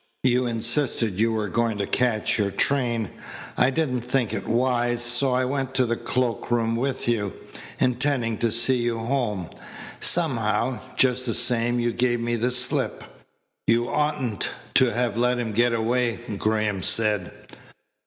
You insisted you were going to catch your train. I didn't think it wise, so I went to the cloak room with you, intending to see you home. Somehow, just the same you gave me the slip." "You oughtn't to have let him get away," Graham said.